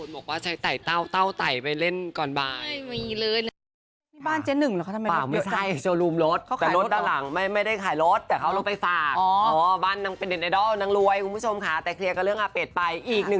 บางคนบอกว่าใช้ไต่เต้าไปเล่นก่อนบ่าย